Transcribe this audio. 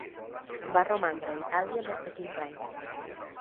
Va romandre a Itàlia més de quinze anys.